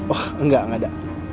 oh enggak enggak ada